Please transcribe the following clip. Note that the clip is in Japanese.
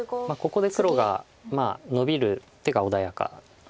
ここで黒がノビる手が穏やかで。